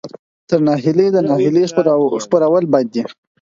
تر ناهیلۍ د ناهیلۍ خپرول بد دي.